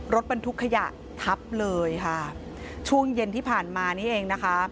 รถบรรทุกขยะทับเลยค่ะช่วงเย็นที่ผ่านมานี่เองนะคะ